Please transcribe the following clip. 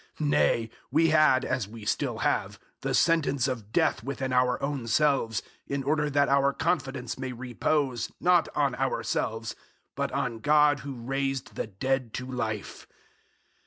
001:009 Nay, we had, as we still have, the sentence of death within our own selves, in order that our confidence may repose, not on ourselves, but on God who raised the dead to life.